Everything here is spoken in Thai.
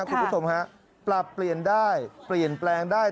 คุณผู้ชมฮะปรับเปลี่ยนได้เปลี่ยนแปลงได้